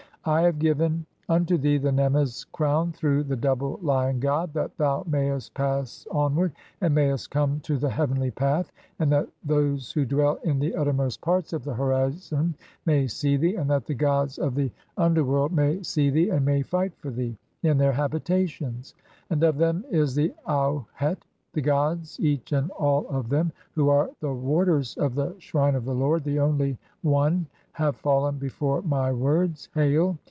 I have given "unto thee 1 the nemmes crown through the double Lion god "that thou mayest pass onward (24) and mayest come to the "heavenly path, and that those who dwell in the uttermost parts "of the horizon may see thee, and that the gods of the under "world may see thee and may fight for thee (25) in their habita "tions. And of them is the Auhet. 2 The gods, each and all of "them, who are the warders of the shrine of the Lord, the only "One, have fallen before my words. Hail!